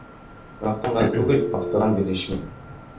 Маҡтанған түгел, маҡтаған бирешмәй.